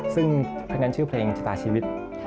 ซึ่งเพลงนั้นชื่อเพลงชะตาชีวิต